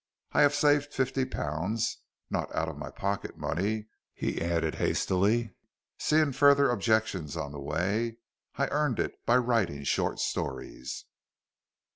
"I have saved fifty pounds. Not out of my pocket money," he added hastily, seeing further objections on the way. "I earned it by writing short stories."